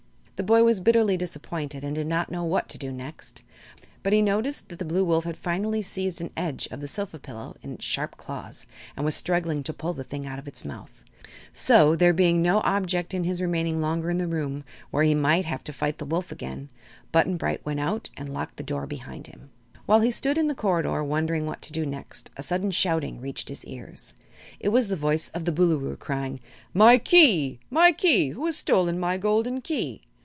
The boy was bitterly disappointed and did not know what to do next. But he noticed that the Blue Wolf had finally seized an edge of the sofa pillow in its sharp claws and was struggling to pull the thing out of his mouth; so, there being no object in his remaining longer in the room, where he might have to fight the wolf again, Button Bright went out and locked the door behind him. While he stood in the corridor wondering what to do next a sudden shouting reached his ears. It was the voice of the Boolooroo, crying: "My Key my Key! Who has stolen my golden Key?"